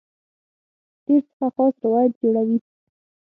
تېر څخه خاص روایت جوړوي.